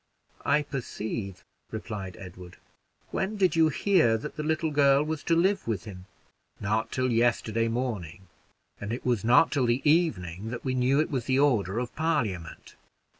"I perceive," replied Edward. "When did you hear that the little girl was to live with him?" "Not till yesterday morning; and it was not till the evening that we knew it was the order of Parliament."